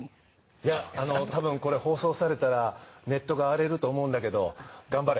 いやあの多分これ放送されたらネットが荒れると思うんだけど頑張れ！